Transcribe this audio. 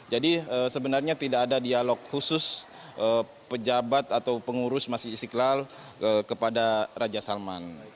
jadi sebenarnya tidak ada dialog khusus pejabat atau pengurus masjid istiqlal kepada raja salman